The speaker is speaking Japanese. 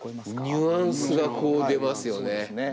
ニュアンスがこう出ますよね。